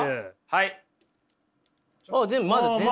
はい。